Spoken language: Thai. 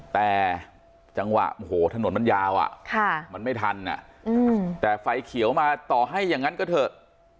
แต่จังหวะโอ้โหถนนมันยาวมันไม่ทันแต่ไฟเขียวมาต่อให้อย่างนั้นก็เถอะ